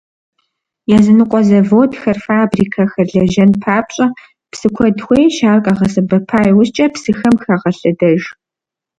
Языныкъуэ заводхэр, фабрикэхэр лэжьэн папщӀэ, псы куэд хуейщ, ар къагъэсэбэпа иужькӀэ псыхэм хагъэлъэдэж.